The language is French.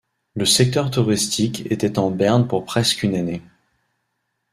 Le secteur touristique était en berne pour presqu'une année.